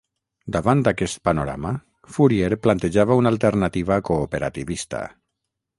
Davant aquest panorama, Fourier plantejava una alternativa cooperativista.